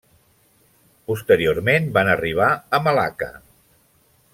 Posteriorment van arribar a Malacca.